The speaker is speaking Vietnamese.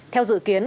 theo dự kiến